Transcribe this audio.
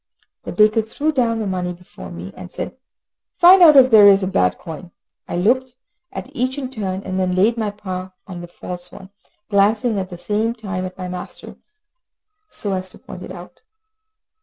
The baker threw down the money before me, and said, "Find out if there is a bad coin." I looked at each in turn, and then laid my paw on the false one, glancing at the same time at my master, so as to point it out.